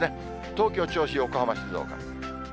東京、銚子、横浜、静岡。